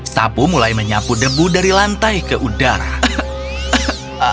sapu mulai menyapu debu dari lantai ke udara